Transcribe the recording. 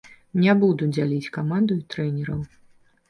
Не буду дзяліць каманду і трэнераў.